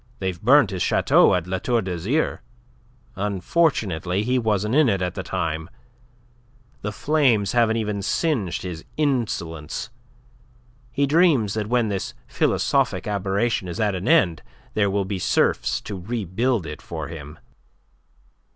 They've burnt his chateau at La Tour d'Azyr. Unfortunately he wasn't in it at the time. The flames haven't even singed his insolence. He dreams that when this philosophic aberration is at an end, there will be serfs to rebuild it for him."